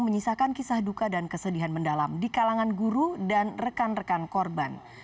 menyisakan kisah duka dan kesedihan mendalam di kalangan guru dan rekan rekan korban